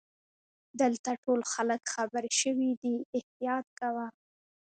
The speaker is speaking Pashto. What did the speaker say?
دلته ټول خلګ خبرشوي دي احتیاط کوه.